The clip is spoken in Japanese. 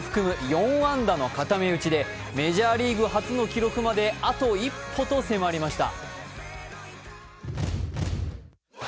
４安打の固め打ちでメジャーリーグ初の記録まであと一歩と迫りました。